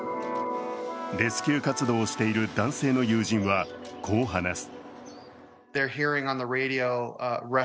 レスキュー活動をしている男性の友人は、こう話す。